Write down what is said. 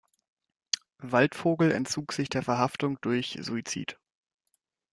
Waldvogel entzog sich der Verhaftung durch Suizid.